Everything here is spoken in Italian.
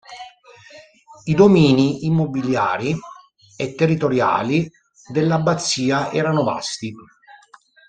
I domini immobiliari e territoriali dell'abbazia erano vasti.